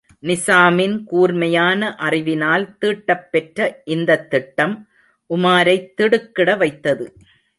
நிசாமின் கூர்மையான அறிவினால் தீட்டப்பெற்ற இந்தத் திட்டம் உமாரைத் திடுக்கிட வைத்தது.